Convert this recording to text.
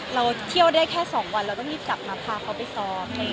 เราเที่ยวได้แค่๒วันเราต้องรีบกลับมาพาเขาไปซ้อม